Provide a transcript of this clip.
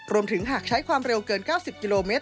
หากใช้ความเร็วเกิน๙๐กิโลเมตร